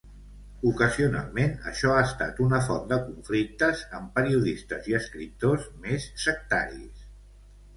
Ocasionalment, això ha estat una font de conflictes amb periodistes i escriptors més sectaris.